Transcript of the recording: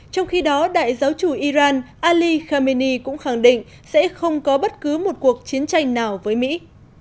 trong khi đó đại giáo chủ iran ali khameni cũng khẳng định sẽ không có bất cứ một cuộc chiến tranh nào với mỹ